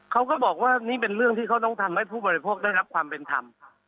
เขาก็บอกว่านี่เป็นเรื่องที่เขาต้องทำให้ผู้บริโภคได้รับความเป็นธรรม